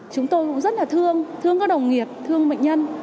chúng tôi cũng rất là thương thương các đồng nghiệp thương bệnh nhân